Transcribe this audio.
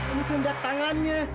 ini kehendak tangannya